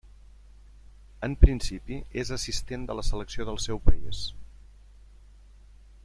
En principi és assistent de la selecció del seu país.